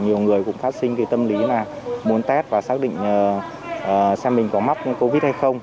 nhiều người cũng phát sinh cái tâm lý là muốn test và xác định xem mình có mắc covid hay không